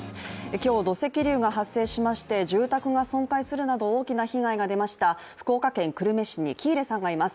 今日、土石流が発生しまして、住宅が損壊するなど大きな被害が出ました福岡県久留米市に喜入さんがいます。